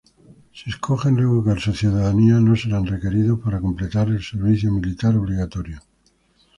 Si escogen revocar su ciudadanía, no serán requeridos para completar el servicio militar obligatorio.